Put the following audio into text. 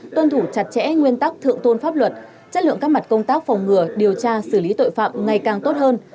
tuân thủ chặt chẽ nguyên tắc thượng tôn pháp luật chất lượng các mặt công tác phòng ngừa điều tra xử lý tội phạm ngày càng tốt hơn